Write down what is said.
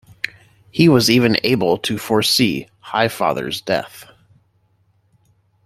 He was even able to foresee Highfather's death.